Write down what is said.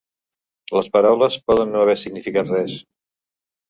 Les paraules poden no haver significat res.